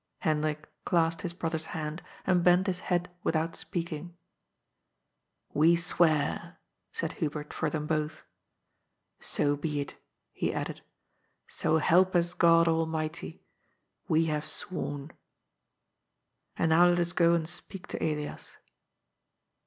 Hendrik clasped his brother's hand, and bent his head without speaking. " We swear," said Hubert for them both. " So be it," he added. So help us God Almighty. We have sworn. And now let us go and speak to Elias."